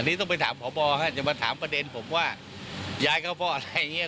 อันนี้ต้องไปถามพบจะมาถามประเด็นผมว่าย้ายเข้าเพราะอะไรอย่างนี้